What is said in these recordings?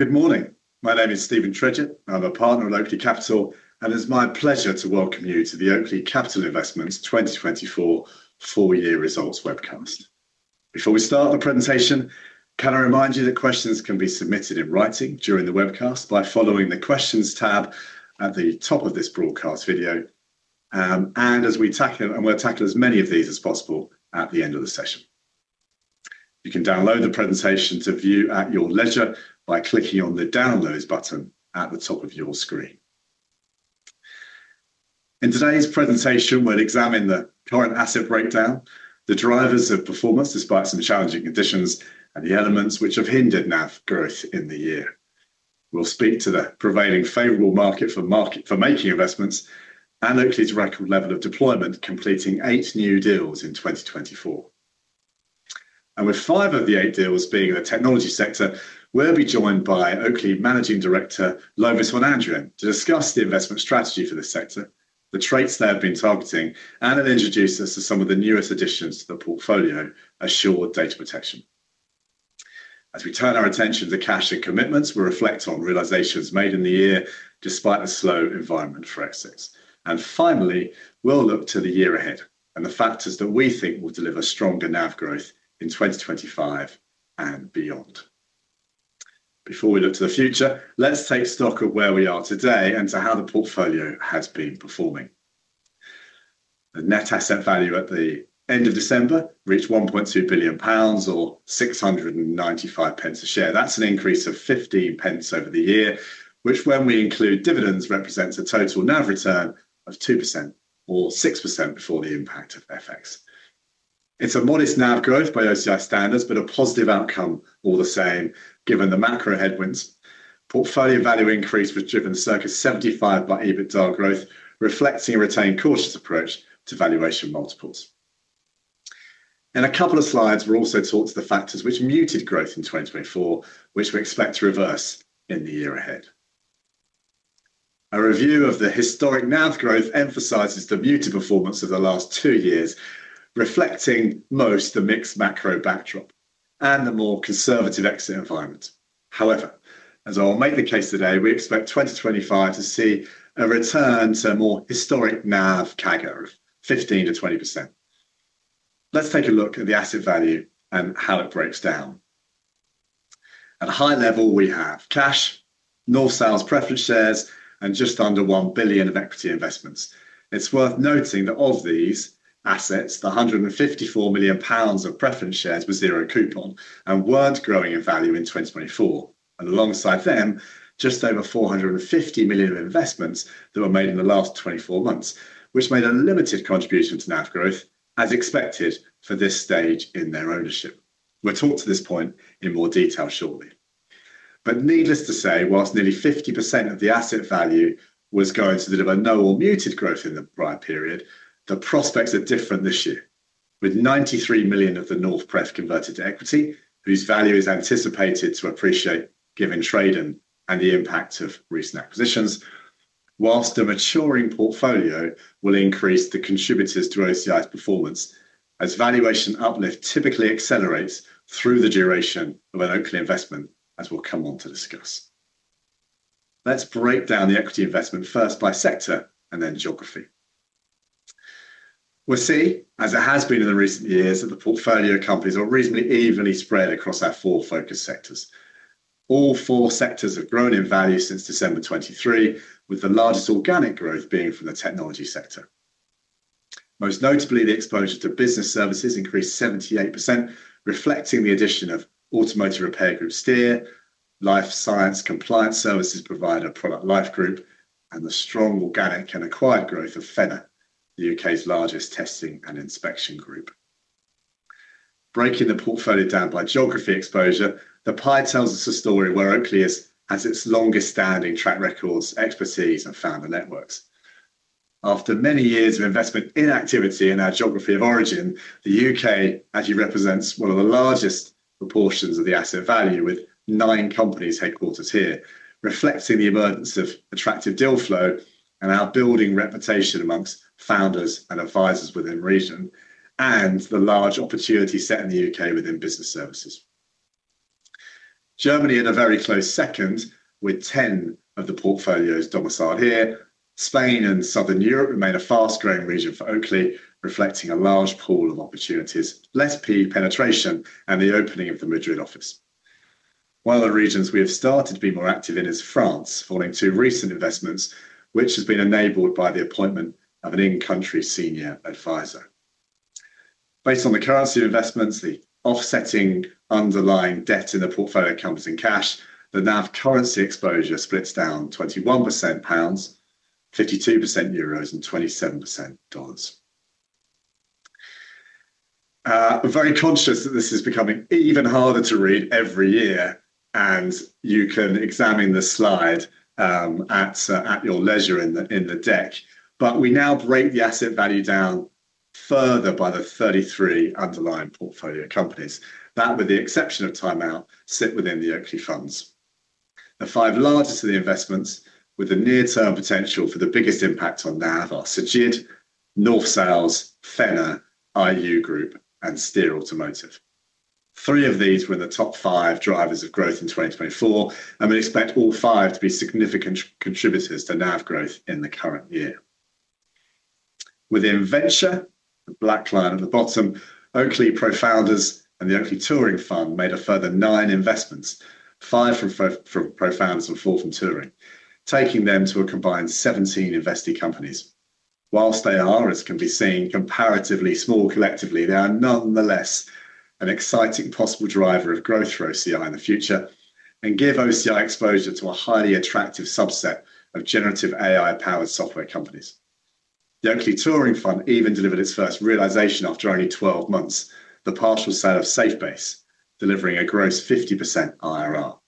Good morning. My name is Steven Tredget. I'm a partner at Oakley Capital, and it's my pleasure to welcome you to the Oakley Capital Investments 2024 Full-Year Results Webcast. Before we start the presentation, can I remind you that questions can be submitted in writing during the webcast by following the Questions tab at the top of this broadcast video, and we'll tackle as many of these as possible at the end of the session. You can download the presentation to view at your leisure by clicking on the Downloads button at the top of your screen. In today's presentation, we'll examine the current asset breakdown, the drivers of performance despite some challenging conditions, and the elements which have hindered NAV growth in the year. We'll speak to the prevailing favorable market for making investments and Oakley's record level of deployment, completing eight new deals in 2024. With five of the eight deals being in the technology sector, we'll be joined by Oakley Managing Director, Lovis von Andrian, to discuss the investment strategy for the sector, the traits they have been targeting, and introduce us to some of the newest additions to the portfolio, Assured Data Protection. As we turn our attention to cash and commitments, we'll reflect on realizations made in the year despite a slow environment for exits. Finally, we'll look to the year ahead and the factors that we think will deliver stronger NAV growth in 2025 and beyond. Before we look to the future, let's take stock of where we are today and how the portfolio has been performing. The net asset value at the end of December reached 1.2 billion pounds, or 695 a share. That's an increase of 15 pence over the year, which, when we include dividends, represents a total NAV return of 2% or 6% before the impact of FX. It's a modest NAV growth by OCI standards, but a positive outcome all the same given the macro headwinds. Portfolio value increase was driven circa 75% by EBITDA growth, reflecting a retained cautious approach to valuation multiples. In a couple of slides, we're also taught to the factors which muted growth in 2024, which we expect to reverse in the year ahead. A review of the historic NAV growth emphasizes the muted performance of the last two years, reflecting most the mixed macro backdrop and the more conservative exit environment. However, as I'll make the case today, we expect 2025 to see a return to a more historic NAV CAGR of 15%-20%. Let's take a look at the asset value and how it breaks down. At a high level, we have cash, North Sails preference shares, and just under 1 billion of equity investments. It's worth noting that of these assets, the 154 million pounds of preference shares were zero coupon and were not growing in value in 2024. Alongside them, just over 450 million of investments that were made in the last 24 months, which made a limited contribution to NAV growth, as expected for this stage in their ownership. We are taught to this point in more detail shortly. Needless to say, whilst nearly 50% of the asset value was going to deliver no or muted growth in the prior period, the prospects are different this year, with 93 million of the North Sails converted to equity, whose value is anticipated to appreciate given trade and the impact of recent acquisitions, whilst a maturing portfolio will increase the contributors to OCI's performance as valuation uplift typically accelerates through the duration of an Oakley investment, as we'll come on to discuss. Let's break down the equity investment first by sector and then geography. We see, as it has been in recent years, that the portfolio companies are reasonably evenly spread across our four focus sectors. All four sectors have grown in value since December 2023, with the largest organic growth being from the technology sector. Most notably, the exposure to business services increased 78%, reflecting the addition of Automotive Repair Group Steer, life science compliance services provider ProductLife Group, and the strong organic and acquired growth of Phenna, the U.K.'s largest testing and inspection group. Breaking the portfolio down by geography exposure, the pie tells us a story where Oakley has its longest-standing track records, expertise, and founder networks. After many years of investment inactivity in our geography of origin, the U.K., as you represent, is one of the largest proportions of the asset value, with nine companies headquartered here, reflecting the emergence of attractive deal flow and our building reputation amongst founders and advisors within the region and the large opportunity set in the U.K. within business services. Germany in a very close second, with 10 of the portfolios domiciled here. Spain and southern Europe remain a fast-growing region for Oakley, reflecting a large pool of opportunities, less penetration, and the opening of the Madrid office. One of the regions we have started to be more active in is France, following two recent investments, which has been enabled by the appointment of an in-country senior advisor. Based on the currency of investments, the offsetting underlying debt in the portfolio comes in cash. The NAV currency exposure splits down 21% pounds, 52% euros, and 27% dollars. I'm very conscious that this is becoming even harder to read every year, and you can examine the slide at your leisure in the deck. We now break the asset value down further by the 33 underlying portfolio companies that, with the exception of Time Out, sit within the Oakley funds. The five largest of the investments, with the near-term potential for the biggest impact on NAV, are Cegid, North Sails, Phenna, IU Group, and Steer Automotive. Three of these were in the top five drivers of growth in 2024, and we expect all five to be significant contributors to NAV growth in the current year. Within venture, the black line at the bottom, Oakley Founders Fund and the Oakley Touring Fund made a further nine investments, five from Founders and four from Touring, taking them to a combined 17 investee companies. Whilst they are, as can be seen, comparatively small collectively, they are nonetheless an exciting possible driver of growth for OCI in the future and give OCI exposure to a highly attractive subset of generative AI-powered software companies. The Oakley Touring Fund even delivered its first realization after only 12 months, the partial sale of SafeBase, delivering a gross 50% IRR.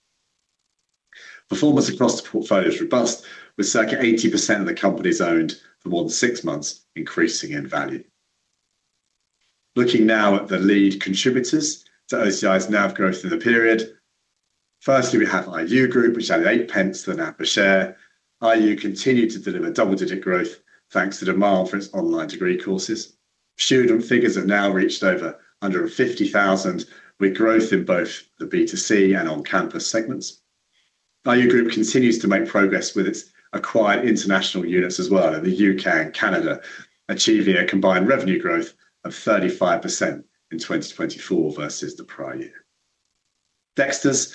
Performance across the portfolio is robust, with circa 80% of the companies owned for more than six months increasing in value. Looking now at the lead contributors to OCI's NAV growth in the period, firstly, we have IU Group, which added eight pence to the NAV per share. IU continued to deliver double-digit growth thanks to demand for its online degree courses. Student figures have now reached over 150,000, with growth in both the B2C and on-campus segments. IU Group continues to make progress with its acquired international units as well in the U.K. and Canada, achieving a combined revenue growth of 35% in 2024 versus the prior year. Dexter Group,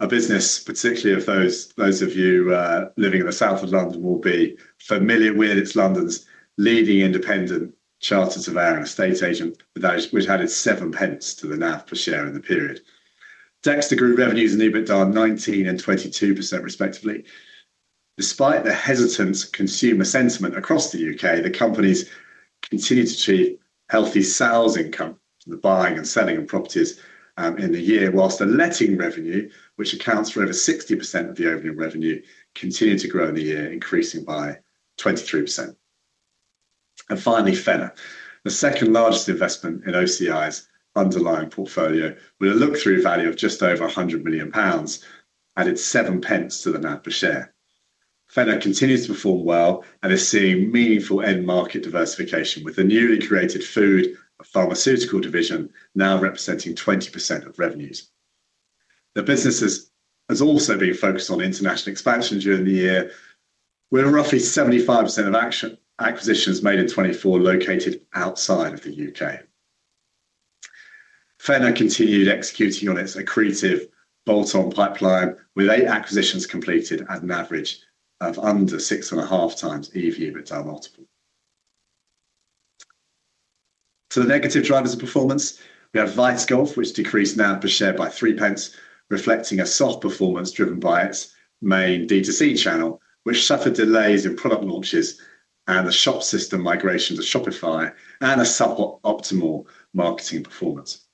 a business particularly those of you living in the south of London will be familiar with. It's London's leading independent chartered surveyor and estate agent, which added seven pence to the NAV per share in the period. Dexter Group revenues and EBITDA are 19% and 22% respectively. Despite the hesitant consumer sentiment across the U.K., the companies continue to achieve healthy sales income from the buying and selling of properties in the year, whilst the letting revenue, which accounts for over 60% of the overall revenue, continued to grow in the year, increasing by 23%. Finally, Phenna, the second largest investment in OCI's underlying portfolio, with a look-through value of just over 100 million pounds, added seven pence to the NAV per share. Phenna continues to perform well and is seeing meaningful end-market diversification, with the newly created food and pharmaceutical division now representing 20% of revenues. The business has also been focused on international expansion during the year, with roughly 75% of acquisitions made in 2024 located outside of the U.K. Phenna continued executing on its accretive bolt-on pipeline, with eight acquisitions completed at an average of under six and a half times EV/EBITDA multiple. To the negative drivers of performance, we have Vice Golf, which decreased NAV per share by three pence, reflecting a soft performance driven by its main D2C channel, which suffered delays in product launches and the shop system migration to Shopify and a suboptimal marketing performance.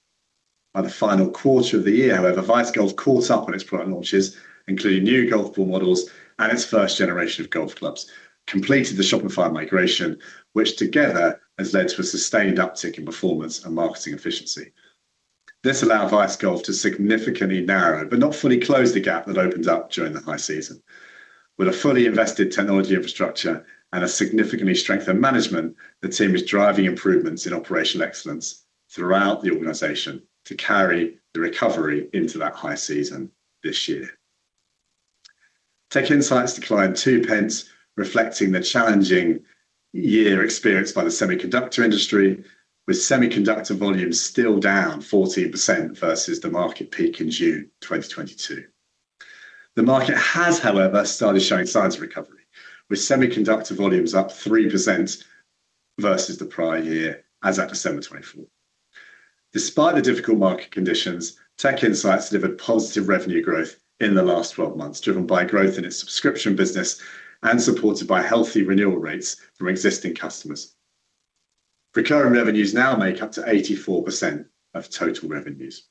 By the final quarter of the year, however, Vice Golf caught up on its product launches, including new golf ball models and its first generation of golf clubs, completed the Shopify migration, which together has led to a sustained uptick in performance and marketing efficiency. This allowed Vice Golf to significantly narrow, but not fully close the gap that opened up during the high season. With a fully invested technology infrastructure and a significantly strengthened management, the team is driving improvements in operational excellence throughout the organization to carry the recovery into that high season this year. TechInsights declined 0.02, reflecting the challenging year experienced by the semiconductor industry, with semiconductor volumes still down 14% versus the market peak in June 2022. The market has, however, started showing signs of recovery, with semiconductor volumes up 3% versus the prior year as at December 2024. Despite the difficult market conditions, TechInsights delivered positive revenue growth in the last 12 months, driven by growth in its subscription business and supported by healthy renewal rates from existing customers. Recurring revenues now make up 84% of total revenues.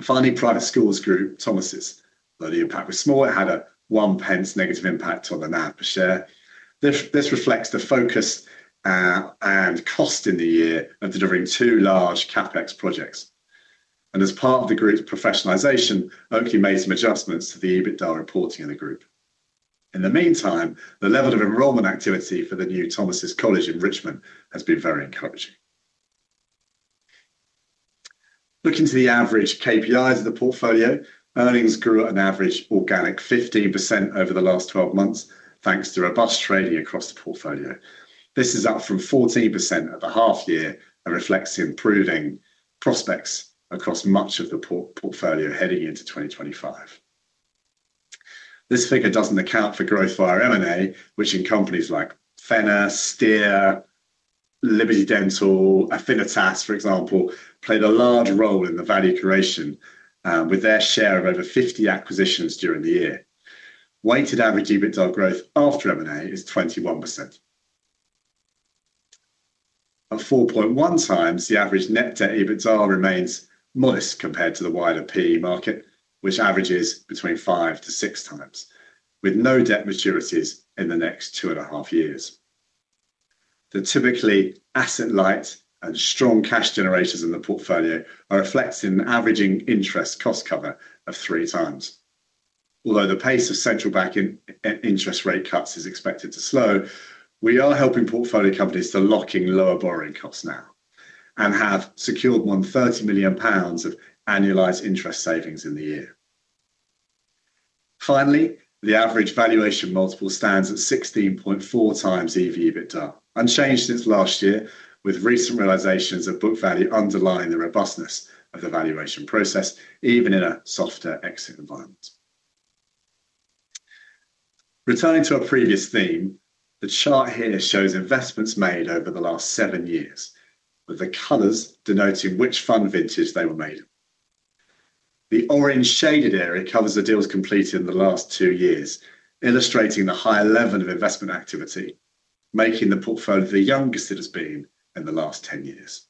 Finally, Private Schools Group, Thomas's, though the impact was small, it had a 0.01 negative impact on the NAV per share. This reflects the focus and cost in the year of delivering two large CapEx projects. As part of the group's professionalization, Oakley made some adjustments to the EBITDA reporting in the group. In the meantime, the level of enrollment activity for the new Thomas's College in Richmond has been very encouraging. Looking to the average KPIs of the portfolio, earnings grew at an average organic 15% over the last 12 months, thanks to robust trading across the portfolio. This is up from 14% over half a year and reflects improving prospects across much of the portfolio heading into 2025. This figure does not account for growth via M&A, which in companies like Phenna, Steer, Liberty Dental, and Affinitas, for example, played a large role in the value creation with their share of over 50 acquisitions during the year. Weighted average EBITDA growth after M&A is 21%. At 4.1 times, the average net debt EBITDA remains modest compared to the wider PE market, which averages between five to six times, with no debt maturities in the next two and a half years. The typically asset-light and strong cash generations in the portfolio are reflected in an averaging interest cost cover of three times. Although the pace of central bank interest rate cuts is expected to slow, we are helping portfolio companies to lock in lower borrowing costs now and have secured more than 30 million pounds of annualized interest savings in the year. Finally, the average valuation multiple stands at 16.4 times EV/EBITDA, unchanged since last year, with recent realizations of book value underlying the robustness of the valuation process, even in a softer exit environment. Returning to our previous theme, the chart here shows investments made over the last seven years, with the colors denoting which fund vintage they were made in. The orange shaded area covers the deals completed in the last two years, illustrating the high level of investment activity, making the portfolio the youngest it has been in the last 10 years.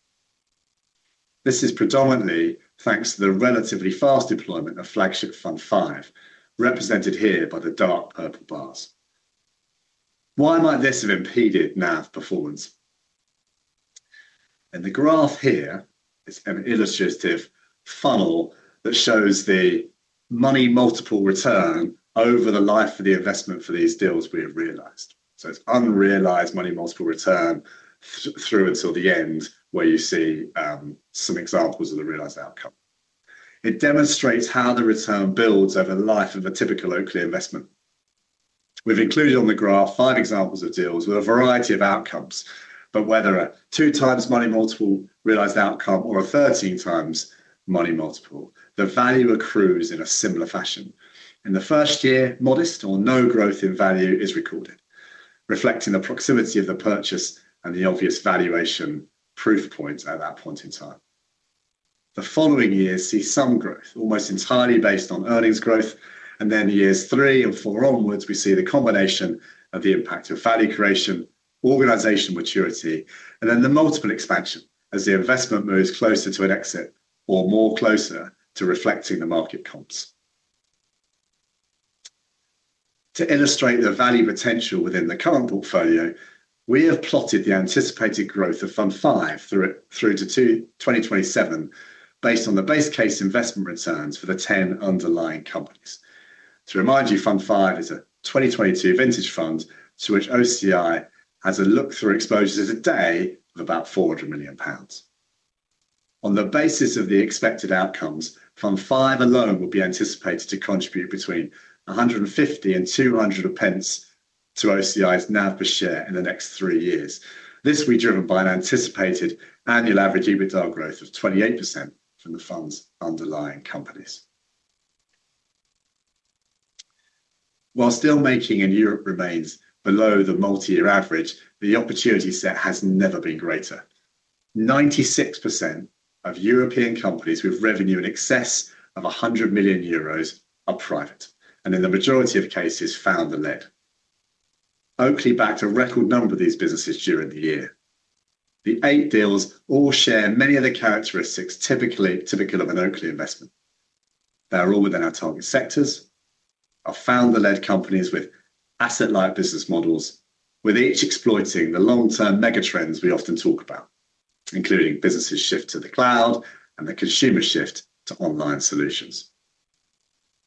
This is predominantly thanks to the relatively fast deployment of flagship fund five, represented here by the dark purple bars. Why might this have impeded NAV performance? In the graph here, it's an illustrative funnel that shows the money multiple return over the life of the investment for these deals we have realized. So it's unrealized money multiple return through until the end, where you see some examples of the realized outcome. It demonstrates how the return builds over the life of a typical Oakley investment. We've included on the graph five examples of deals with a variety of outcomes, but whether a two times money multiple realized outcome or a 13 times money multiple, the value accrues in a similar fashion. In the first year, modest or no growth in value is recorded, reflecting the proximity of the purchase and the obvious valuation proof points at that point in time. The following years see some growth, almost entirely based on earnings growth, and then years three and four onwards, we see the combination of the impact of value creation, organization maturity, and then the multiple expansion as the investment moves closer to an exit or more closer to reflecting the market comps. To illustrate the value potential within the current portfolio, we have plotted the anticipated growth of fund five through to 2027 based on the base case investment returns for the 10 underlying companies. To remind you, fund five is a 2022 vintage fund to which OCI has a look-through exposure to today of about 400 million pounds. On the basis of the expected outcomes, fund five alone will be anticipated to contribute between 150-200 pence to OCI's NAV per share in the next three years. This will be driven by an anticipated annual average EBITDA growth of 28% from the fund's underlying companies. While steelmaking in Europe remains below the multi-year average, the opportunity set has never been greater. 96% of European companies with revenue in excess of 100 million euros are private, and in the majority of cases, founder-led. Oakley backed a record number of these businesses during the year. The eight deals all share many of the characteristics typical of an Oakley investment. They are all within our target sectors, are founder-led companies with asset-light business models, with each exploiting the long-term mega trends we often talk about, including businesses' shift to the cloud and the consumer shift to online solutions.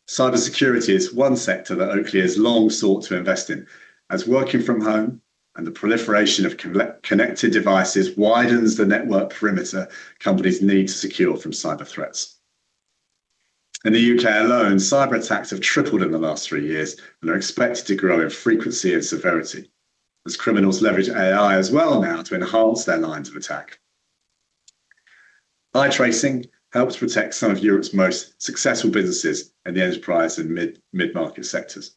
Cybersecurity is one sector that Oakley has long sought to invest in, as working from home and the proliferation of connected devices widens the network perimeter companies need to secure from cyber threats. In the U.K. alone, cyberattacks have tripled in the last three years and are expected to grow in frequency and severity, as criminals leverage AI as well now to enhance their lines of attack. I-TRACING helps protect some of Europe's most successful businesses in the enterprise and mid-market sectors.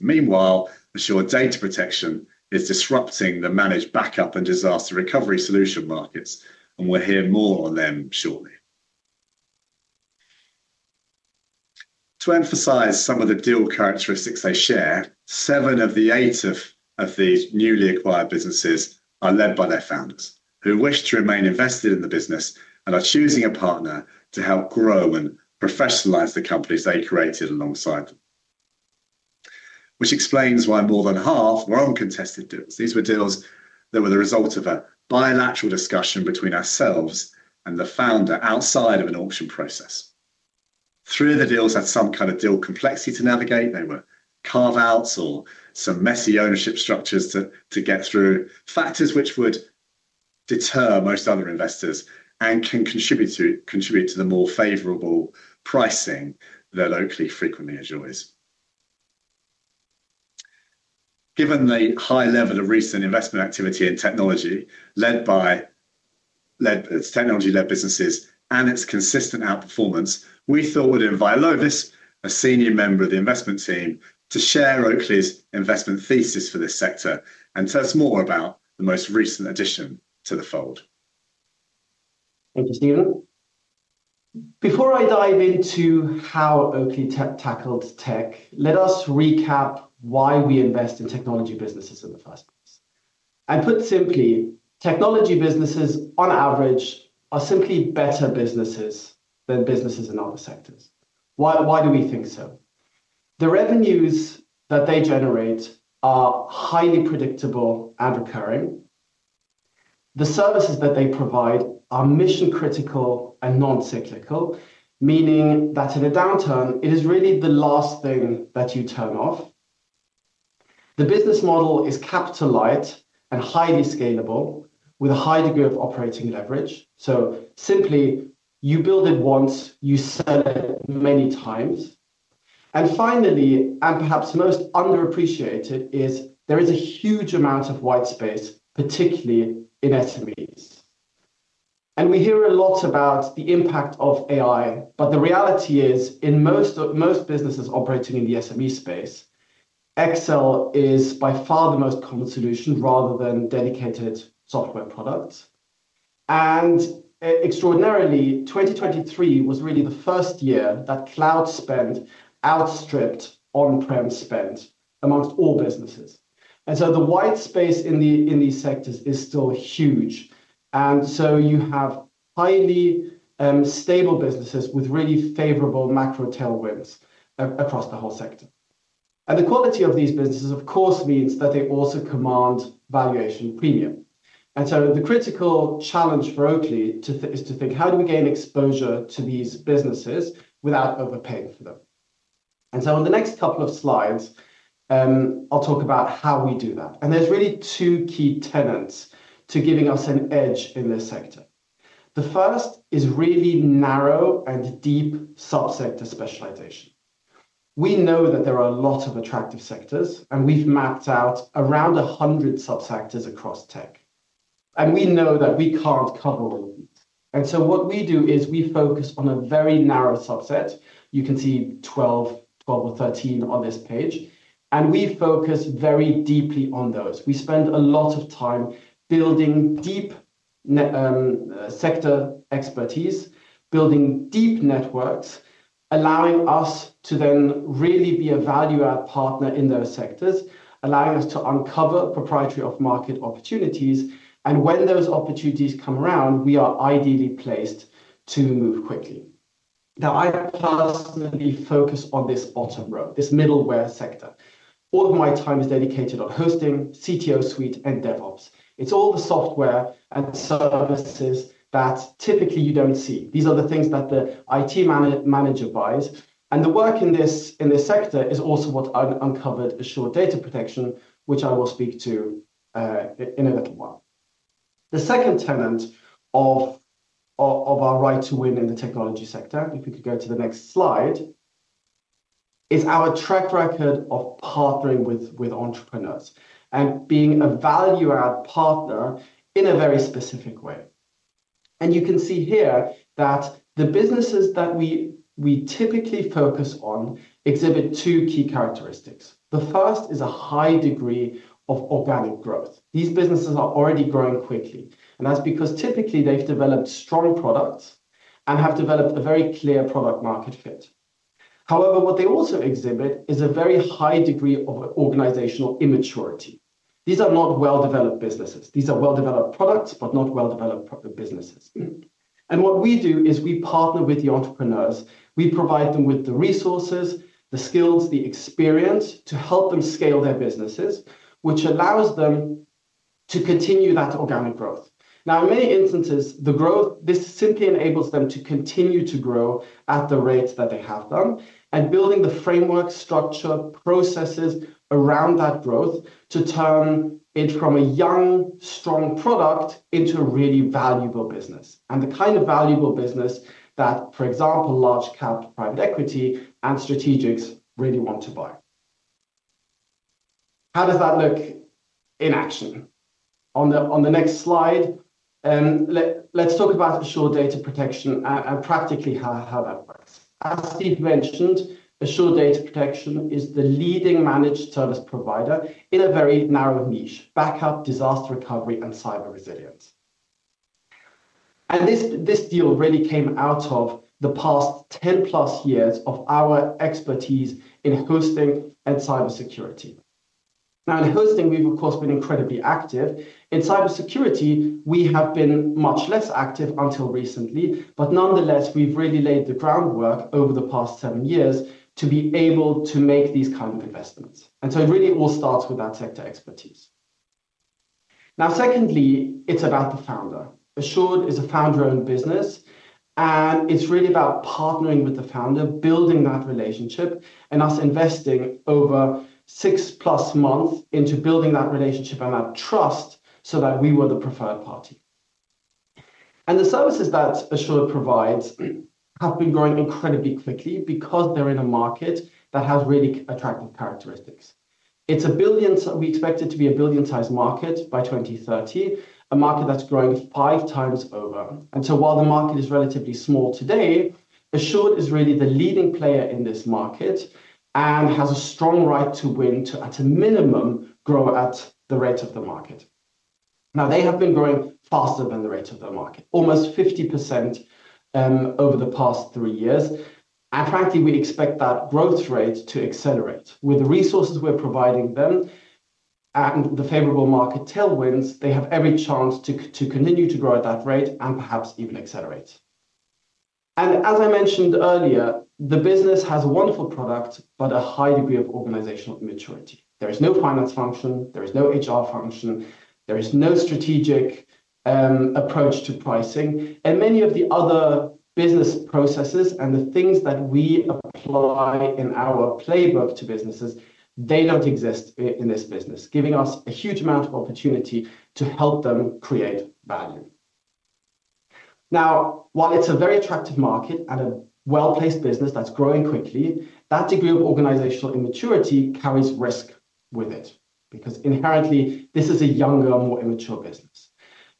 Meanwhile, Assured Data Protection is disrupting the managed backup and disaster recovery solution markets, and we'll hear more on them shortly. To emphasize some of the deal characteristics they share, seven of the eight of these newly acquired businesses are led by their founders, who wish to remain invested in the business and are choosing a partner to help grow and professionalize the companies they created alongside them, which explains why more than half were uncontested deals. These were deals that were the result of a bilateral discussion between ourselves and the founder outside of an auction process. These deals had some kind of deal complexity to navigate. They were carve-outs or some messy ownership structures to get through, factors which would deter most other investors and can contribute to the more favorable pricing that Oakley frequently enjoys. Given the high level of recent investment activity in technology led by technology-led businesses and its consistent outperformance, we thought we'd invite Lovis, a senior member of the investment team, to share Oakley's investment thesis for this sector and tell us more about the most recent addition to the fold. Thank you, Steven. Before I dive into how Oakley tackled tech, let us recap why we invest in technology businesses in the first place. Put simply, technology businesses, on average, are simply better businesses than businesses in other sectors. Why do we think so? The revenues that they generate are highly predictable and recurring. The services that they provide are mission-critical and non-cyclical, meaning that in a downturn, it is really the last thing that you turn off. The business model is capital-light and highly scalable, with a high degree of operating leverage. Simply, you build it once, you sell it many times. Finally, and perhaps most underappreciated, there is a huge amount of white space, particularly in SMEs. We hear a lot about the impact of AI, but the reality is, in most businesses operating in the SME space, Excel is by far the most common solution rather than dedicated software products. Extraordinarily, 2023 was really the first year that cloud spend outstripped on-prem spend amongst all businesses. The white space in these sectors is still huge. You have highly stable businesses with really favorable macro tailwinds across the whole sector. The quality of these businesses, of course, means that they also command valuation premium. The critical challenge for Oakley is to think, how do we gain exposure to these businesses without overpaying for them? On the next couple of slides, I'll talk about how we do that. There are really two key tenets to giving us an edge in this sector. The first is really narrow and deep subsector specialization. We know that there are a lot of attractive sectors, and we've mapped out around 100 subsectors across tech. We know that we can't cover all of these. What we do is we focus on a very narrow subset. You can see 12 or 13 on this page. We focus very deeply on those. We spend a lot of time building deep sector expertise, building deep networks, allowing us to then really be a value-add partner in those sectors, allowing us to uncover proprietary off-market opportunities. When those opportunities come around, we are ideally placed to move quickly. Now, I personally focus on this bottom row, this middleware sector. All of my time is dedicated on hosting, CTO suite, and DevOps. It's all the software and services that typically you don't see. These are the things that the IT manager buys. The work in this sector is also what uncovered Assured Data Protection, which I will speak to in a little while. The second tenet of our right to win in the technology sector, if we could go to the next slide, is our track record of partnering with entrepreneurs and being a value-add partner in a very specific way. You can see here that the businesses that we typically focus on exhibit two key characteristics. The first is a high degree of organic growth. These businesses are already growing quickly. That is because typically they've developed strong products and have developed a very clear product-market fit. However, what they also exhibit is a very high degree of organizational immaturity. These are not well-developed businesses. These are well-developed products, but not well-developed businesses. What we do is we partner with the entrepreneurs. We provide them with the resources, the skills, the experience to help them scale their businesses, which allows them to continue that organic growth. In many instances, the growth simply enables them to continue to grow at the rate that they have done and building the framework, structure, processes around that growth to turn it from a young, strong product into a really valuable business and the kind of valuable business that, for example, large-cap private equity and strategics really want to buy. How does that look in action? On the next slide, let's talk about Assured Data Protection and practically how that works. As Steve mentioned, Assured Data Protection is the leading managed service provider in a very narrow niche: backup, disaster recovery, and cyber resilience. This deal really came out of the past 10 plus years of our expertise in hosting and cybersecurity. In hosting, we've, of course, been incredibly active. In cybersecurity, we have been much less active until recently, but nonetheless, we've really laid the groundwork over the past seven years to be able to make these kinds of investments. It really all starts with that sector expertise. Secondly, it's about the founder. Assured is a founder-owned business, and it's really about partnering with the founder, building that relationship, and us investing over six plus months into building that relationship and that trust so that we were the preferred party. The services that Assured provides have been growing incredibly quickly because they're in a market that has really attractive characteristics. It is a $1 billion; we expect it to be a $1 billion-sized market by 2030, a market that's growing five times over. While the market is relatively small today, Assured is really the leading player in this market and has a strong right to win to, at a minimum, grow at the rate of the market. They have been growing faster than the rate of the market, almost 50% over the past three years. Frankly, we expect that growth rate to accelerate with the resources we're providing them and the favorable market tailwinds. They have every chance to continue to grow at that rate and perhaps even accelerate. As I mentioned earlier, the business has a wonderful product, but a high degree of organizational immaturity. There is no finance function. There is no HR function. There is no strategic approach to pricing. And many of the other business processes and the things that we apply in our playbook to businesses, they do not exist in this business, giving us a huge amount of opportunity to help them create value. Now, while it is a very attractive market and a well-placed business that is growing quickly, that degree of organizational immaturity carries risk with it because inherently, this is a younger, more immature business.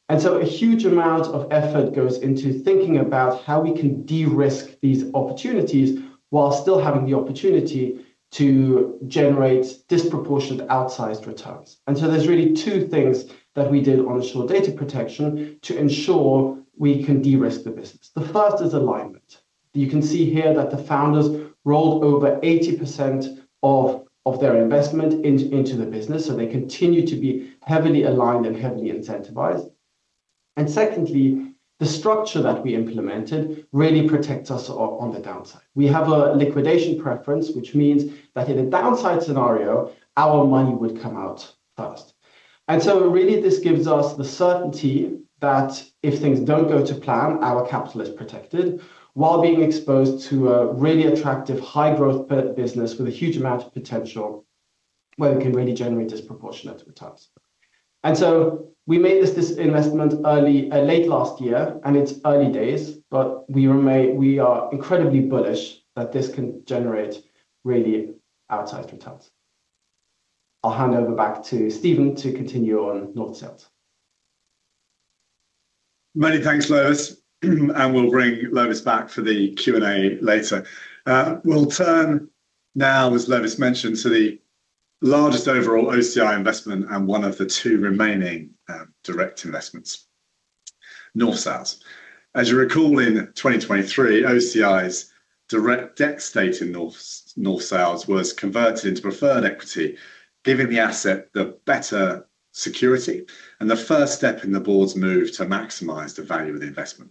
A huge amount of effort goes into thinking about how we can de-risk these opportunities while still having the opportunity to generate disproportionate outsized returns. There are really two things that we did on Assured Data Protection to ensure we can de-risk the business. The first is alignment. You can see here that the founders rolled over 80% of their investment into the business, so they continue to be heavily aligned and heavily incentivized. Secondly, the structure that we implemented really protects us on the downside. We have a liquidation preference, which means that in a downside scenario, our money would come out first. This gives us the certainty that if things do not go to plan, our capital is protected while being exposed to a really attractive high-growth business with a huge amount of potential where we can really generate disproportionate returns. We made this investment late last year, and it is early days, but we are incredibly bullish that this can generate really outsized returns. I will hand over back to Steven to continue on North Sails. Many thanks, Lovis. We will bring Lovis back for the Q&A later. We'll turn now, as Lovis mentioned, to the largest overall OCI investment and one of the two remaining direct investments, North Sails. As you recall, in 2023, OCI's direct debt stake in North Sails was converted into preferred equity, giving the asset the better security and the first step in the board's move to maximize the value of the investment.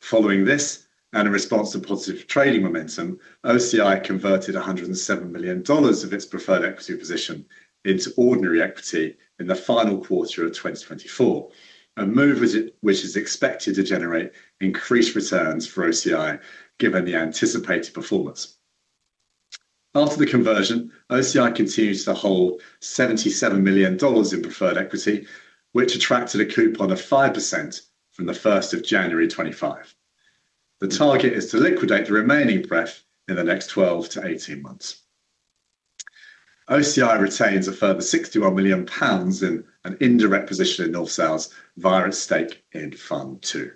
Following this, and in response to positive trading momentum, OCI converted $107 million of its preferred equity position into ordinary equity in the final quarter of 2024, a move which is expected to generate increased returns for OCI given the anticipated performance. After the conversion, OCI continues to hold $77 million in preferred equity, which attracted a coupon of 5% from the 1st of January 2025. The target is to liquidate the remaining pref in the next 12-18 months. OCI retains a further 61 million pounds in an indirect position in North Sails via its stake in Fund Two.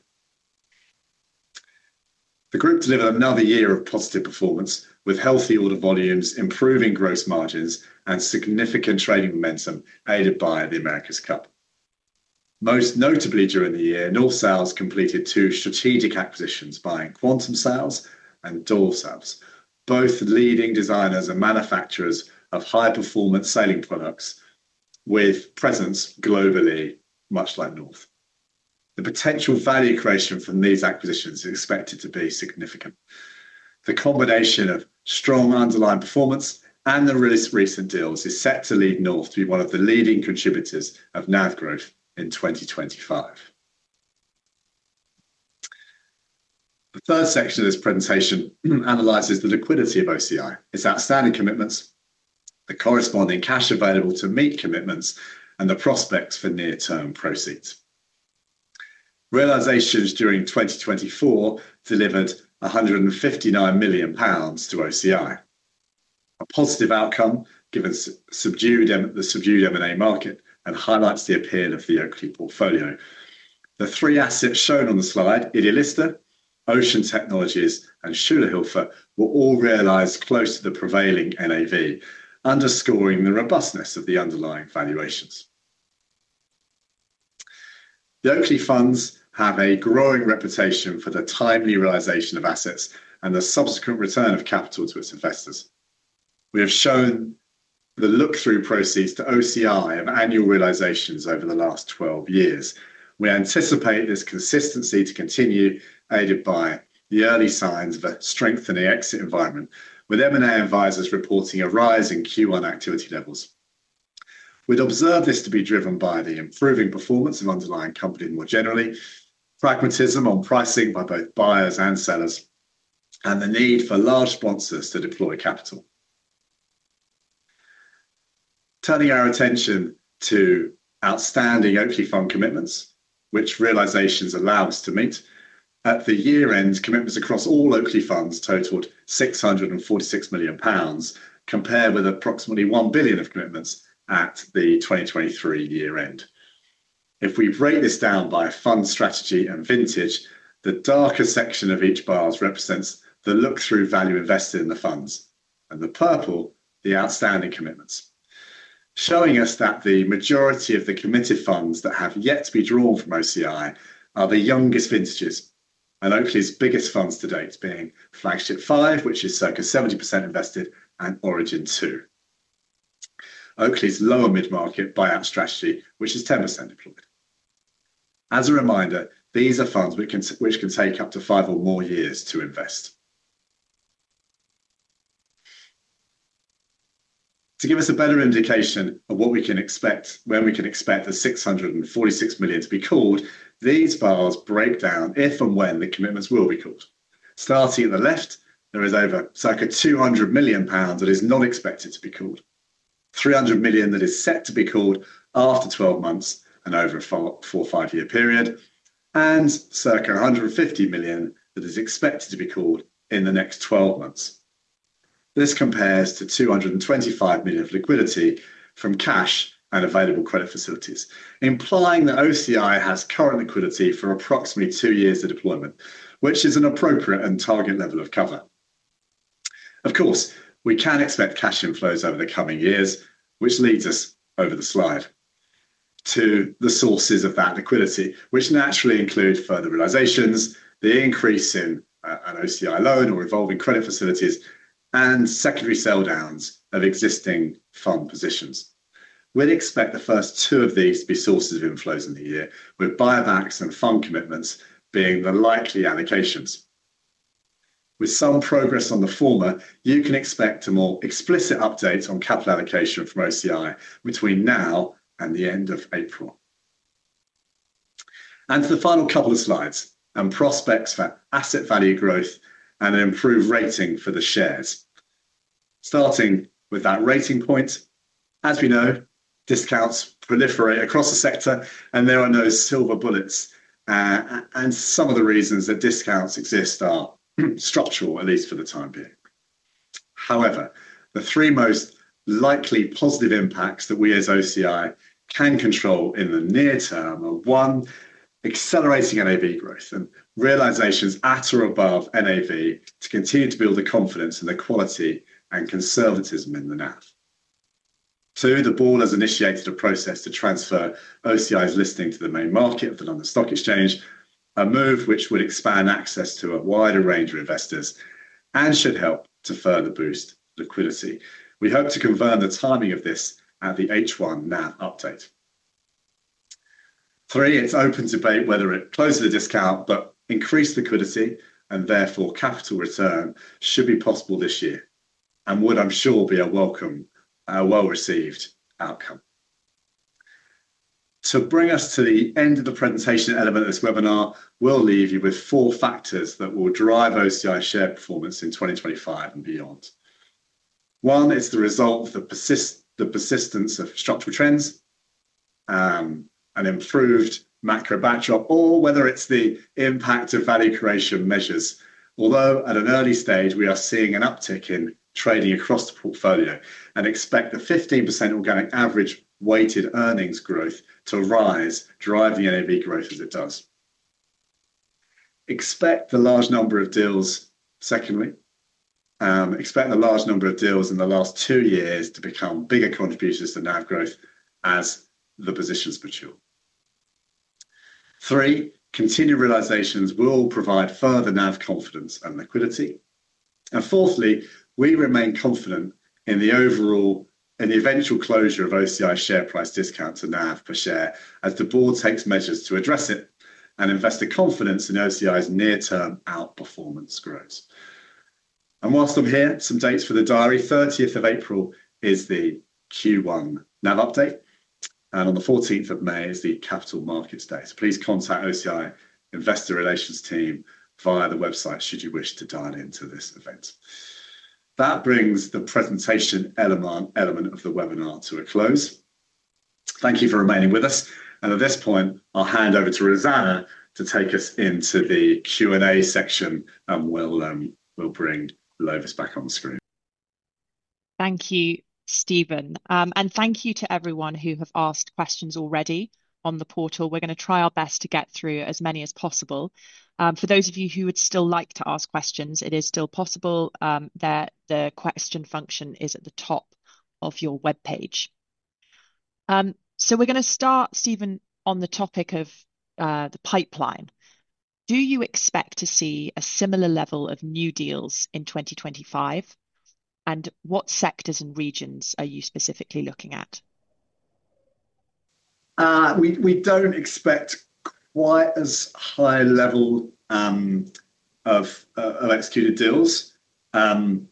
The group delivered another year of positive performance with healthy order volumes, improving gross margins, and significant trading momentum aided by the America's Cup. Most notably during the year, North Sails completed two strategic acquisitions, buying Quantum Sails and Doyle Sails, both leading designers and manufacturers of high-performance sailing products with presence globally, much like North. The potential value creation from these acquisitions is expected to be significant. The combination of strong underlying performance and the recent deals is set to lead North to be one of the leading contributors of NAV growth in 2025. The third section of this presentation analyzes the liquidity of OCI, its outstanding commitments, the corresponding cash available to meet commitments, and the prospects for near-term proceeds. Realizations during 2024 delivered 159 million pounds to OCI, a positive outcome given the subdued M&A market and highlights the appeal of the equity portfolio. The three assets shown on the slide, idealista, Ocean Technologies, and Schülerhilfe, were all realized close to the prevailing NAV, underscoring the robustness of the underlying valuations. The equity funds have a growing reputation for the timely realization of assets and the subsequent return of capital to its investors. We have shown the look-through proceeds to OCI and annual realizations over the last 12 years. We anticipate this consistency to continue, aided by the early signs of a strengthening exit environment, with M&A advisors reporting a rise in Q1 activity levels. We'd observe this to be driven by the improving performance of underlying companies more generally, pragmatism on pricing by both buyers and sellers, and the need for large sponsors to deploy capital. Turning our attention to outstanding equity fund commitments, which realizations allow us to meet, at the year-end, commitments across all equity funds totaled 646 million pounds, compared with approximately 1 billion of commitments at the 2023 year-end. If we break this down by fund strategy and vintage, the darker section of each bar represents the look-through value invested in the funds, and the purple, the outstanding commitments, showing us that the majority of the committed funds that have yet to be drawn from OCI are the youngest vintages, and Oakley's biggest funds to date being Flagship Five, which is circa 70% invested, and Origin Two, Oakley's lower mid-market buyout strategy, which is 10% deployed. As a reminder, these are funds which can take up to five or more years to invest. To give us a better indication of what we can expect, when we can expect the 646 million to be called, these bars break down if and when the commitments will be called. Starting at the left, there is over circa 200 million pounds that is not expected to be called, 300 million that is set to be called after 12 months and over a four- or five-year period, and circa 150 million that is expected to be called in the next 12 months. This compares to 225 million of liquidity from cash and available credit facilities, implying that OCI has current liquidity for approximately two years of deployment, which is an appropriate and target level of cover. Of course, we can expect cash inflows over the coming years, which leads us over the slide to the sources of that liquidity, which naturally include further realizations, the increase in an OCI loan or revolving credit facilities, and secondary sell-downs of existing fund positions. We would expect the first two of these to be sources of inflows in the year, with buybacks and fund commitments being the likely allocations. With some progress on the former, you can expect a more explicit update on capital allocation from OCI between now and the end of April. To the final couple of slides. Prospects for asset value growth and an improved rating for the shares. Starting with that rating point, as we know, discounts proliferate across the sector, and there are no silver bullets. Some of the reasons that discounts exist are structural, at least for the time being. However, the three most likely positive impacts that we as OCI can control in the near term are one, accelerating NAV growth and realizations at or above NAV to continue to build the confidence in the quality and conservatism in the NAV. Two, the board has initiated a process to transfer OCI's listing to the main market of the London Stock Exchange, a move which would expand access to a wider range of investors and should help to further boost liquidity. We hope to confirm the timing of this at the H1 NAV update. Three, it's open debate whether it closes the discount, but increased liquidity and therefore capital return should be possible this year and would, I'm sure, be a welcome, a well-received outcome. To bring us to the end of the presentation element of this webinar, we'll leave you with four factors that will drive OCI share performance in 2025 and beyond. One, it's the result of the persistence of structural trends and improved macro backdrop, or whether it's the impact of value creation measures. Although at an early stage, we are seeing an uptick in trading across the portfolio and expect the 15% organic average weighted earnings growth to rise, driving NAV growth as it does. Expect the large number of deals, secondly, expect the large number of deals in the last two years to become bigger contributors to NAV growth as the positions mature. Three, continued realizations will provide further NAV confidence and liquidity. Fourthly, we remain confident in the eventual closure of OCI share price discounts to NAV per share as the board takes measures to address it and invested confidence in OCI's near-term outperformance growth. Whilst I'm here, some dates for the diary. April 30 is the Q1 NAV update, and on May 14 is the Capital Markets Day. Please contact the OCI Investor Relations Team via the website should you wish to dial into this event. That brings the presentation element of the webinar to a close. Thank you for remaining with us. At this point, I'll hand over to Rosanna to take us into the Q&A section, and we'll bring Lovis back on the screen. Thank you, Steven. Thank you to everyone who have asked questions already on the portal. We're going to try our best to get through as many as possible. For those of you who would still like to ask questions, it is still possible. The question function is at the top of your webpage. We are going to start, Steven, on the topic of the pipeline. Do you expect to see a similar level of new deals in 2025? What sectors and regions are you specifically looking at? We do not expect quite as high a level of executed deals. It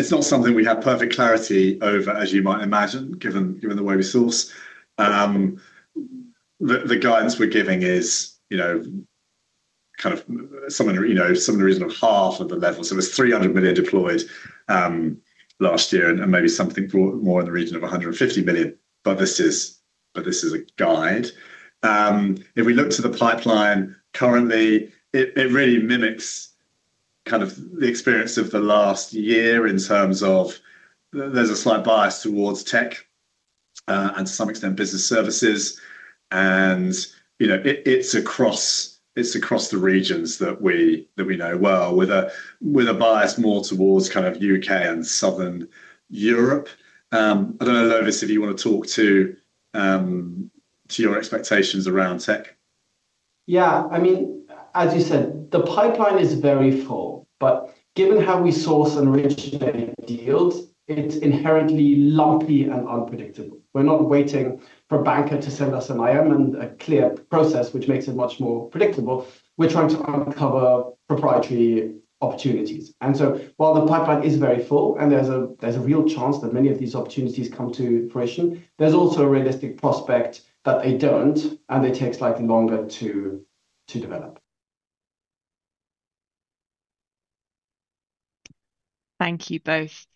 is not something we have perfect clarity over, as you might imagine, given the way we source. The guidance we are giving is kind of similar to reason of half of the level. It was $300 million deployed last year, and maybe something more in the region of $150 million. This is a guide. If we look to the pipeline currently, it really mimics kind of the experience of the last year in terms of there's a slight bias towards tech and, to some extent, business services. It is across the regions that we know well, with a bias more towards kind of U.K. and southern Europe. I do not know, Lovis, if you want to talk to your expectations around tech. Yeah. I mean, as you said, the pipeline is very full, but given how we source and originate deals, it is inherently lumpy and unpredictable. We are not waiting for a banker to send us an IM and a clear process, which makes it much more predictable. We are trying to uncover proprietary opportunities. While the pipeline is very full and there's a real chance that many of these opportunities come to fruition, there's also a realistic prospect that they don't, and it takes longer to develop. Thank you both.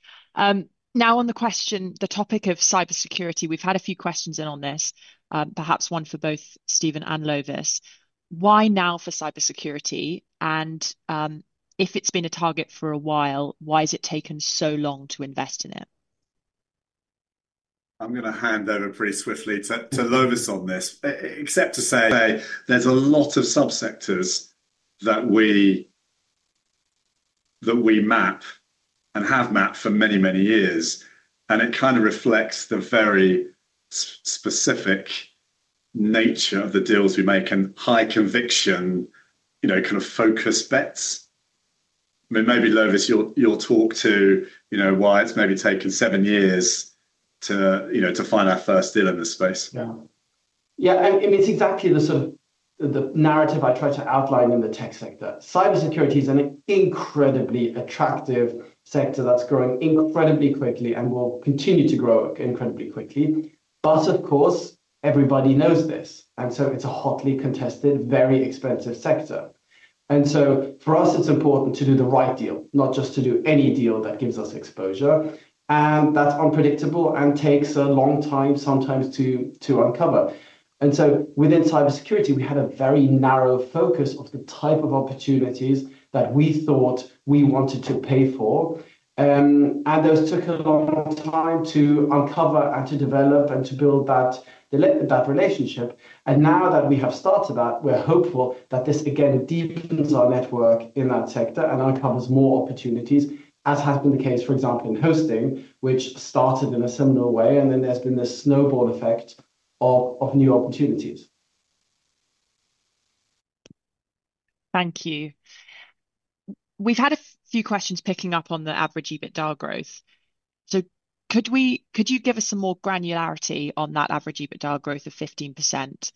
Now, on the question, the topic of cybersecurity, we've had a few questions in on this, perhaps one for both Steven and Lovis. Why now for cybersecurity? And if it's been a target for a while, why has it taken so long to invest in it? I'm going to hand over pretty swiftly to Lovis on this, except to say there's a lot of subsectors that we map and have mapped for many, many years. It kind of reflects the very specific nature of the deals we make and high conviction, kind of focused bets. I mean, maybe, Lovis, you'll talk to why it's maybe taken seven years to find our first deal in this space. Yeah. Yeah. It's exactly the narrative I try to outline in the tech sector. Cybersecurity is an incredibly attractive sector that's growing incredibly quickly and will continue to grow incredibly quickly. Of course, everybody knows this. It's a hotly contested, very expensive sector. For us, it's important to do the right deal, not just to do any deal that gives us exposure. That's unpredictable and takes a long time sometimes to uncover. Within cybersecurity, we had a very narrow focus of the type of opportunities that we thought we wanted to pay for. Those took a long time to uncover and to develop and to build that relationship. Now that we have started that, we're hopeful that this, again, deepens our network in that sector and uncovers more opportunities, as has been the case, for example, in hosting, which started in a similar way. There has been this snowball effect of new opportunities. Thank you. We've had a few questions picking up on the average EBITDA growth. Could you give us some more granularity on that average EBITDA growth of 15%?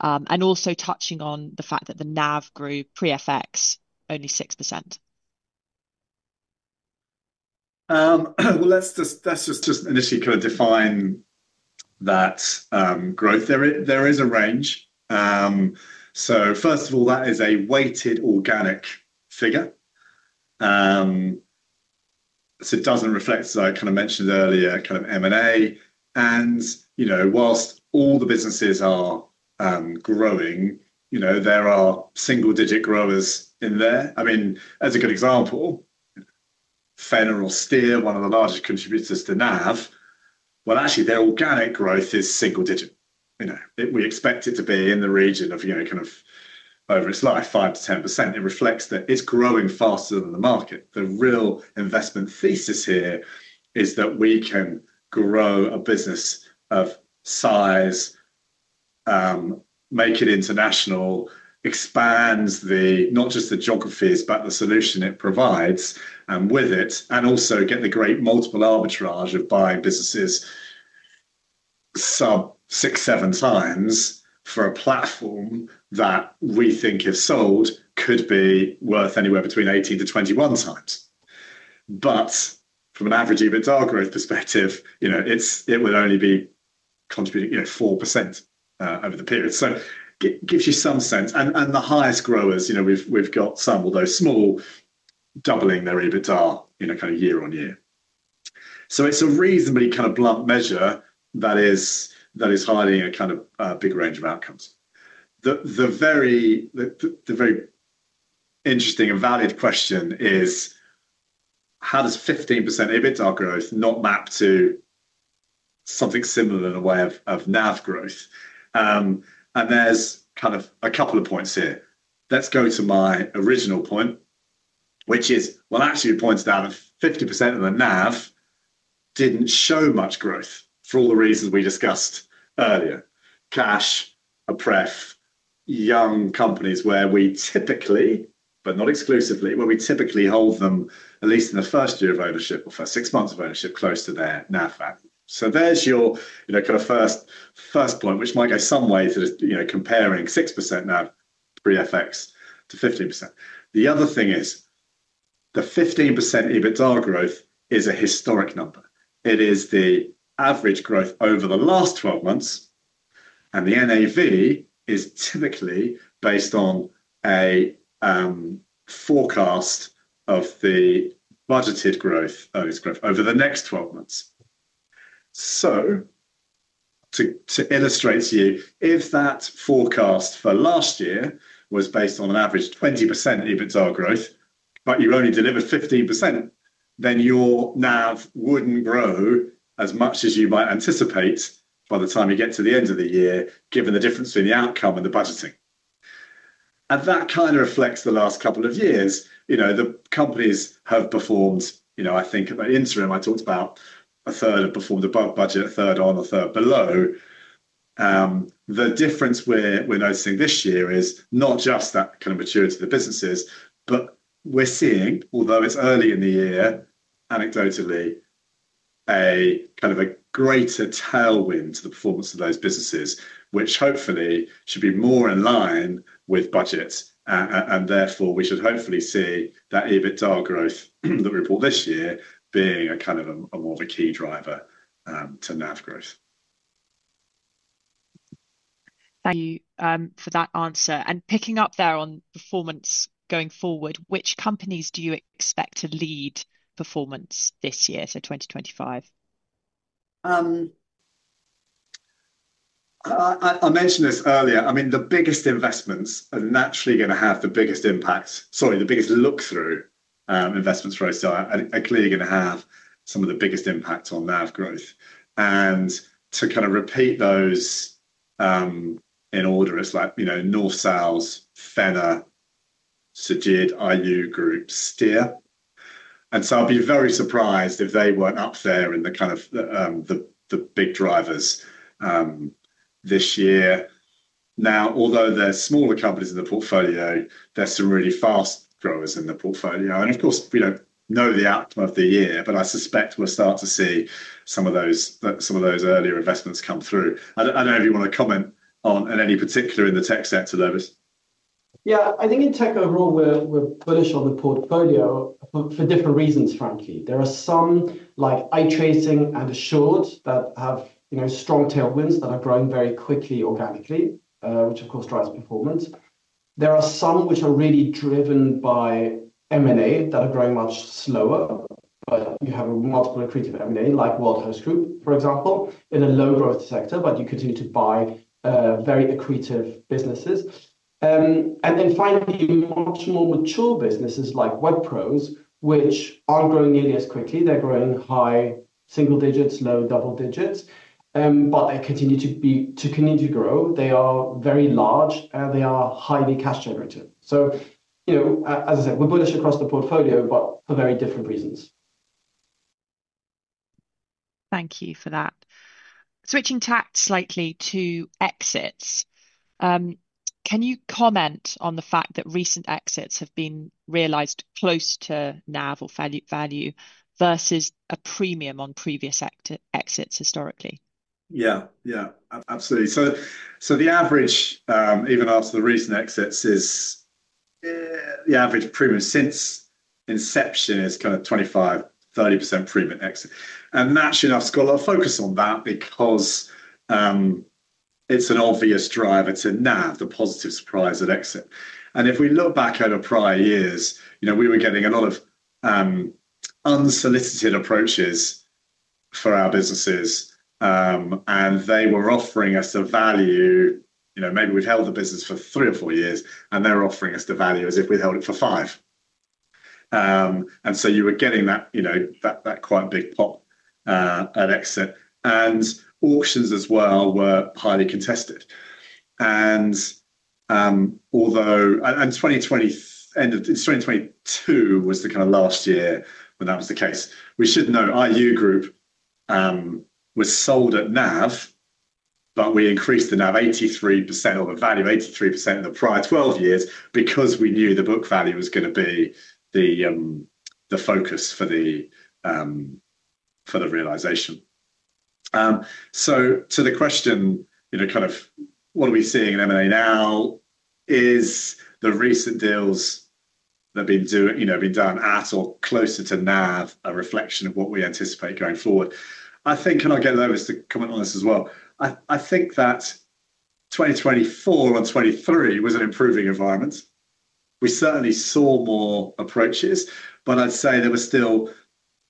Also touching on the fact that the NAV grew pre-FX only 6%. Let's just initially kind of define that growth. There is a range. First of all, that is a weighted organic figure. It does not reflect, as I kind of mentioned earlier, kind of M&A. Whilst all the businesses are growing, there are single-digit growers in there. I mean, as a good example, Phenna or Steer, one of the largest contributors to NAV, actually, their organic growth is single-digit. We expect it to be in the region of kind of over its life, 5-10%. It reflects that it is growing faster than the market. The real investment thesis here is that we can grow a business of size, make it international, expand not just the geographies, but the solution it provides with it, and also get the great multiple arbitrage of buying businesses sub six, seven times for a platform that we think, if sold, could be worth anywhere between 18-21 times. From an average EBITDA growth perspective, it would only be contributing 4% over the period. It gives you some sense. The highest growers, we have got some, although small, doubling their EBITDA kind of year on year. It is a reasonably kind of blunt measure that is hiding a kind of big range of outcomes. The very interesting and valid question is, how does 15% EBITDA growth not map to something similar in a way of NAV growth? There are a couple of points here. Let's go to my original point, which is, actually, it points out that 50% of the NAV did not show much growth for all the reasons we discussed earlier. Cash, a prep, young companies where we typically, but not exclusively, where we typically hold them at least in the first year of ownership or first six months of ownership close to their NAV value. There is your first point, which might go some ways comparing 6% NAV pre-FX to 15%. The other thing is the 15% EBITDA growth is a historic number. It is the average growth over the last 12 months. The NAV is typically based on a forecast of the budgeted growth over the next 12 months. To illustrate to you, if that forecast for last year was based on an average 20% EBITDA growth, but you only delivered 15%, then your NAV would not grow as much as you might anticipate by the time you get to the end of the year, given the difference between the outcome and the budgeting. That kind of reflects the last couple of years. The companies have performed, I think, at interim, I talked about a third have performed above budget, a third on, a third below. The difference we're noticing this year is not just that kind of maturity of the businesses, but we're seeing, although it's early in the year, anecdotally, a kind of a greater tailwind to the performance of those businesses, which hopefully should be more in line with budgets. Therefore, we should hopefully see that EBITDA growth that we report this year being a kind of more of a key driver to NAV growth. Thank you for that answer. Picking up there on performance going forward, which companies do you expect to lead performance this year, so 2025? I mentioned this earlier. I mean, the biggest investments are naturally going to have the biggest impact, sorry, the biggest look-through investments for us. I'm clearly going to have some of the biggest impact on NAV growth. To kind of repeat those in order, it's like North Sails, Phenna Cegid, IU Group, Steer. I'll be very surprised if they weren't up there in the big drivers this year. Although there are smaller companies in the portfolio, there are some really fast growers in the portfolio. Of course, we don't know the outcome of the year, but I suspect we'll start to see some of those earlier investments come through. I don't know if you want to comment on any particular in the tech sector, Lovis. Yeah. I think in tech overall, we're bullish on the portfolio for different reasons, frankly. There are some like I-TRACING and Assured Data Protection that have strong tailwinds that are growing very quickly organically, which of course drives performance. There are some which are really driven by M&A that are growing much slower. You have multiple accretive M&A like World Host Group, for example, in a low-growth sector, but you continue to buy very accretive businesses. Finally, much more mature businesses like WebPros, which are not growing nearly as quickly. They are growing high single digits, low double digits, but they continue to grow. They are very large, and they are highly cash-generative. As I said, we are bullish across the portfolio, but for very different reasons. Thank you for that. Switching tack slightly to exits. Can you comment on the fact that recent exits have been realized close to NAV or value versus a premium on previous exits historically? Yeah. Yeah. Absolutely. The average, even after the recent exits, is the average premium since inception is kind of 25-30% premium exit. That should have got a lot of focus on that because it's an obvious driver to NAV, the positive surprise at exit. If we look back over prior years, we were getting a lot of unsolicited approaches for our businesses. They were offering us the value. Maybe we've held the business for three or four years, and they're offering us the value as if we'd held it for five. You were getting that quite big pop at exit. Auctions as well were highly contested. Although 2022 was the kind of last year when that was the case, we should note IU Group was sold at NAV, but we increased the NAV 83% or the value 83% in the prior 12 years because we knew the book value was going to be the focus for the realization. To the question, kind of what are we seeing in M&A now, is the recent deals that have been done at or closer to NAV a reflection of what we anticipate going forward? I think, and I'll get Lovis to comment on this as well. I think that 2024 and 2023 was an improving environment. We certainly saw more approaches, but I'd say there was still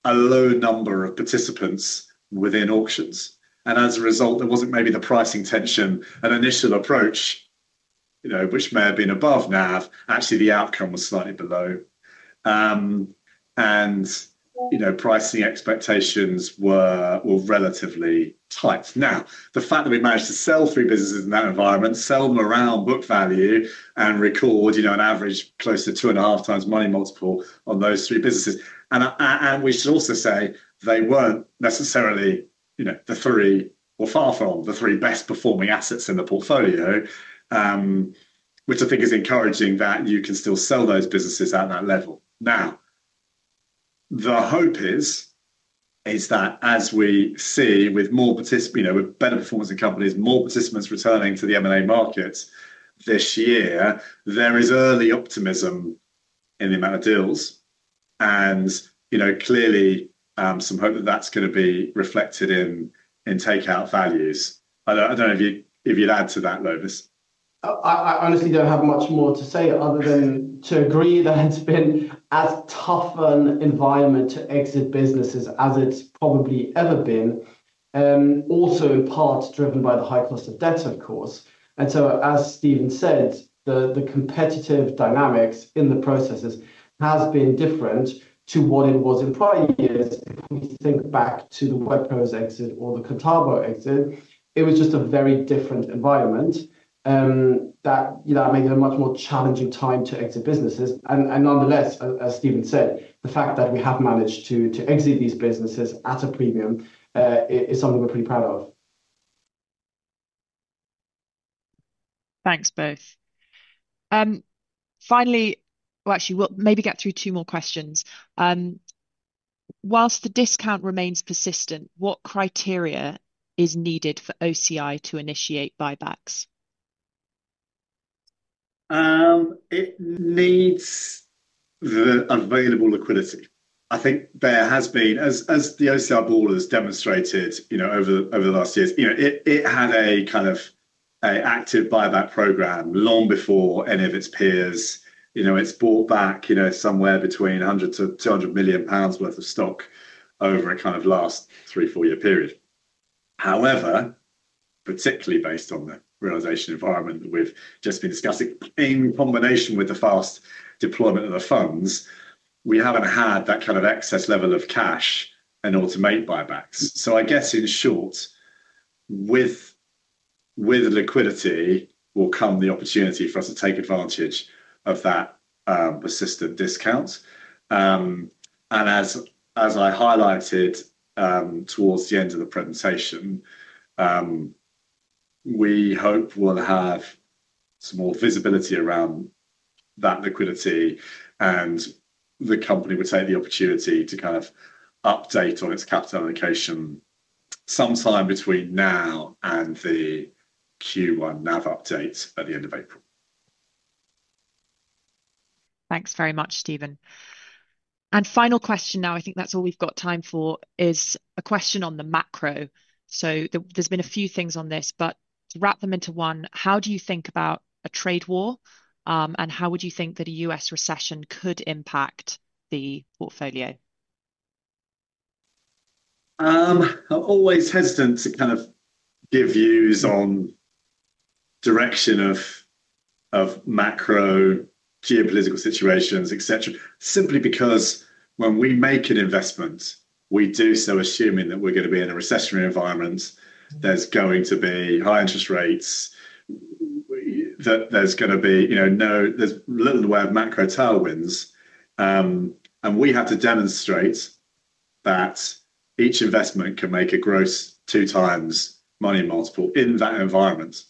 a low number of participants within auctions. As a result, there wasn't maybe the pricing tension, an initial approach, which may have been above NAV. Actually, the outcome was slightly below. Pricing expectations were relatively tight. The fact that we managed to sell three businesses in that environment, sell them around book value, and record an average closer to 2.5 times money multiple on those three businesses. We should also say they were not necessarily the three or far from the three best-performing assets in the portfolio, which I think is encouraging that you can still sell those businesses at that level. The hope is that as we see with better performance in companies, more participants returning to the M&A markets this year, there is early optimism in the amount of deals. Clearly, some hope that that is going to be reflected in takeout values. I do not know if you would add to that, Lovis. I honestly do not have much more to say other than to agree that it has been as tough an environment to exit businesses as it has probably ever been, also in part driven by the high cost of debt, of course. As Steven said, the competitive dynamics in the processes have been different to what it was in prior years. If we think back to the WebPros exit or the Contabo exit, it was just a very different environment that made it a much more challenging time to exit businesses. Nonetheless, as Steven said, the fact that we have managed to exit these businesses at a premium is something we're pretty proud of. Thanks, both. Finally, actually, we'll maybe get through two more questions. Whilst the discount remains persistent, what criteria is needed for OCI to initiate buybacks? It needs available liquidity. I think there has been, as the OCI board has demonstrated over the last years, it had a kind of active buyback program long before any of its peers. It's bought back somewhere between 100 million-200 million pounds worth of stock over a kind of last three, four-year period. However, particularly based on the realization environment that we've just been discussing, in combination with the fast deployment of the funds, we haven't had that kind of excess level of cash and automate buybacks. I guess, in short, with liquidity will come the opportunity for us to take advantage of that persistent discount. As I highlighted towards the end of the presentation, we hope we'll have some more visibility around that liquidity, and the company would take the opportunity to kind of update on its capital allocation sometime between now and the Q1 NAV updates at the end of April. Thanks very much, Steven. Final question now, I think that's all we've got time for, is a question on the macro. There have been a few things on this, but to wrap them into one, how do you think about a trade war, and how would you think that a U.S. recession could impact the portfolio? I'm always hesitant to kind of give views on the direction of macro geopolitical situations, etc., simply because when we make an investment, we do so assuming that we're going to be in a recessionary environment. There's going to be high interest rates. There's going to be little way of macro tailwinds. We have to demonstrate that each investment can make a gross two-times money multiple in that environment.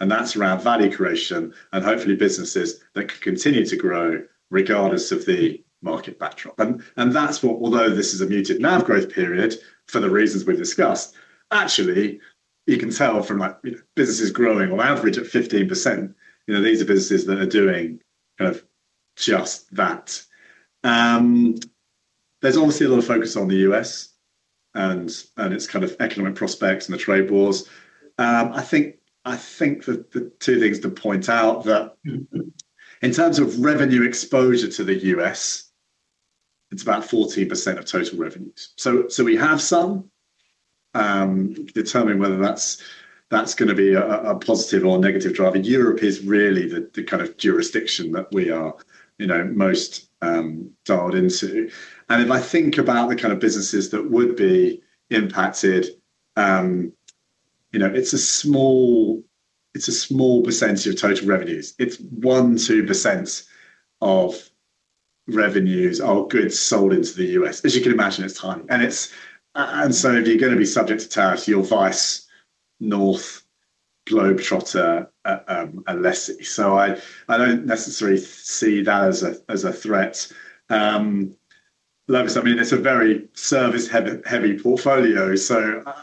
That's around value creation and hopefully businesses that can continue to grow regardless of the market backdrop. That is what, although this is a muted NAV growth period for the reasons we've discussed, actually, you can tell from businesses growing on average at 15%, these are businesses that are doing kind of just that. There is obviously a lot of focus on the U.S. and its kind of economic prospects and the trade wars. I think the two things to point out that in terms of revenue exposure to the U.S., it is about 14% of total revenues. We have some determining whether that is going to be a positive or negative driver. Europe is really the kind of jurisdiction that we are most dialed into. If I think about the kind of businesses that would be impacted, it is a small percentage of total revenues. It is 1%-2% of revenues or goods sold into the U.S. As you can imagine, it is tiny. If you're going to be subject to tariffs, you'll vice North Globe-Trotter and Alessi. I don't necessarily see that as a threat. Lovis, I mean, it's a very service-heavy portfolio.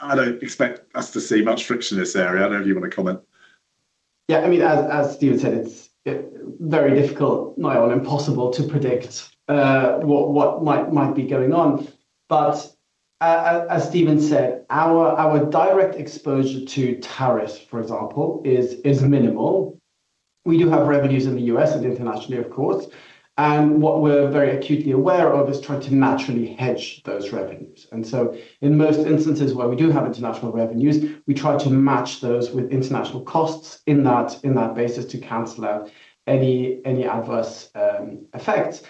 I don't expect us to see much friction in this area. I don't know if you want to comment. Yeah. I mean, as Steven said, it's very difficult, not impossible to predict what might be going on. As Steven said, our direct exposure to tariffs, for example, is minimal. We do have revenues in the U.S. and internationally, of course. What we're very acutely aware of is trying to naturally hedge those revenues. In most instances where we do have international revenues, we try to match those with international costs in that basis to cancel out any adverse effects.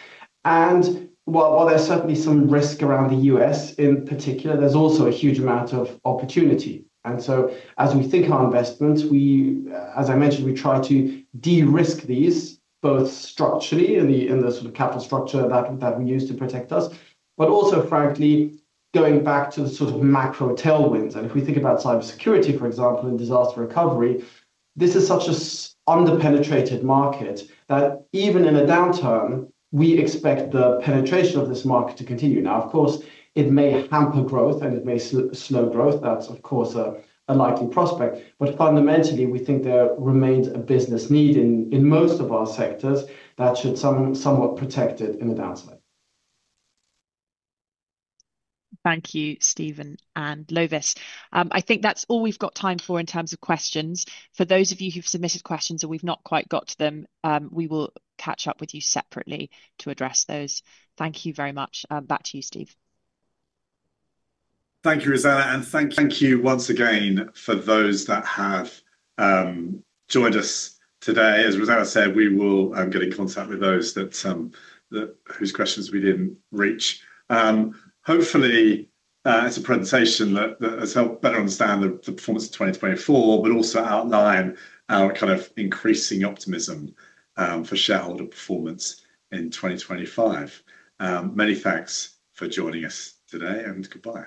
While there is certainly some risk around the U.S. in particular, there is also a huge amount of opportunity. As we think about our investments, as I mentioned, we try to de-risk these both structurally in the sort of capital structure that we use to protect us, but also, frankly, going back to the sort of macro tailwinds. If we think about cybersecurity, for example, and disaster recovery, this is such an underpenetrated market that even in a downturn, we expect the penetration of this market to continue. Of course, it may hamper growth, and it may slow growth. That is, of course, a likely prospect. Fundamentally, we think there remains a business need in most of our sectors that should somewhat protect it in a downside. Thank you, Steven and Lovis. I think that is all we have got time for in terms of questions. For those of you who've submitted questions and we've not quite got to them, we will catch up with you separately to address those. Thank you very much. Back to you, Steve. Thank you, Rosanna. Thank you once again for those that have joined us today. As Rosanna said, we will get in contact with those whose questions we didn't reach. Hopefully, it's a presentation that has helped better understand the performance of 2024, but also outline our kind of increasing optimism for shareholder performance in 2025. Many thanks for joining us today, and goodbye.